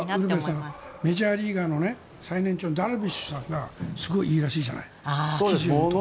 なんかウルヴェさんメジャーリーガーの最年長のダルビッシュさんがすごいいいらしいじゃない。